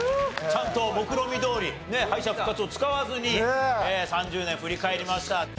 ちゃんともくろみどおり敗者復活を使わずに３０年振り返りました。